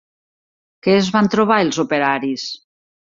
Què es van trobar els operaris?